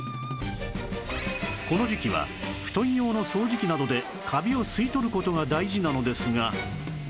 この時期は布団用の掃除機などでカビを吸い取る事が大事なのですが